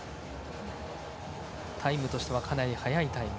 タイムとしてはかなり速いタイム。